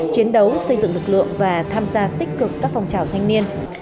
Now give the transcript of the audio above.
chiến đấu xây dựng lực lượng và tham gia tích cực các phong trào thanh niên